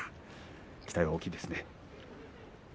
期待は大きいですね。